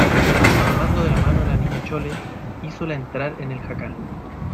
y tomando de la mano a la Niña Chole, hízola entrar en el jacal.